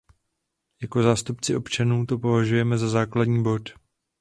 Jako zástupci občanů to považujeme za základní bod.